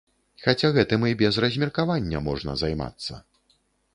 Хаця, гэтым і без размеркавання можна займацца.